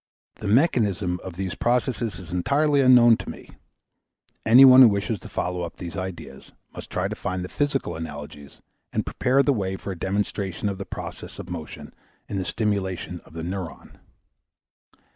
The mechanism of these processes is entirely unknown to me; any one who wishes to follow up these ideas must try to find the physical analogies and prepare the way for a demonstration of the process of motion in the stimulation of the neuron.